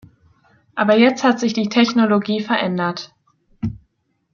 Aber jetzt hat sich die Technologie verändert.